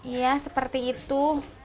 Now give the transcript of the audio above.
iya seperti itu